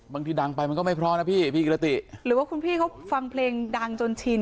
บางทีดังไปมันก็ไม่เพราะนะพี่พี่กิรติหรือว่าคุณพี่เขาฟังเพลงดังจนชิน